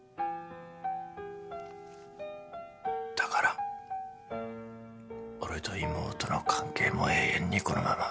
だから俺と妹の関係も永遠にこのまま。